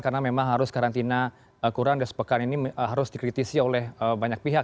karena memang harus karantina kurang dan sepekan ini harus dikritisi oleh banyak pihak